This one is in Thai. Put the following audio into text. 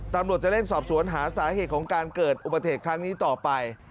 ตำรวจจะเร่งสอบสวนหาสาเหตุของการเกิดอุบัติเหตุครั้งนี้ต่อไป